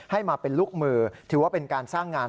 ให้มาเป็นลูกมือถือว่าเป็นการสร้างงาน